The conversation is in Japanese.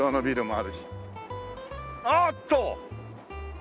ああっと！